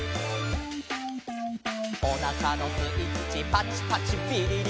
「おなかのスイッチパチパチビリリ」